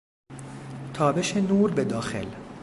تابش نور به داخل